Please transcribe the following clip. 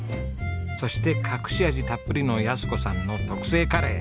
そして隠し味たっぷりの安子さんの特製カレー。